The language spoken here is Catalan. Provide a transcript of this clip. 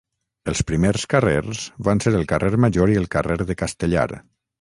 Els primers carrers van ser el carrer Major i el carrer de Castellar.